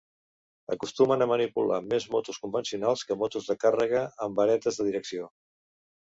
Acostumen a manipular més motos convencionals que motos de càrrega amb varetes de direcció.